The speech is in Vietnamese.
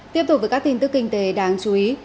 tiếp tục với các tin tức kinh tế đáng chú ý